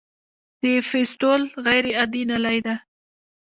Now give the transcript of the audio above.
د فیستول غیر عادي نلۍ ده.